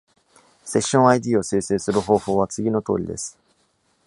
セッション ID を生成する方法は次のとおりです。